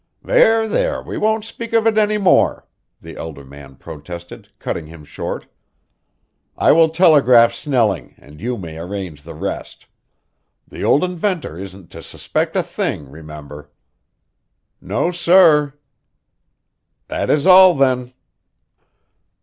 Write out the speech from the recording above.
"There, there, we won't speak of it any more," the elder man protested, cutting him short. "I will telegraph Snelling and you may arrange the rest. The old inventor isn't to suspect a thing remember." "No, sir." "That is all, then."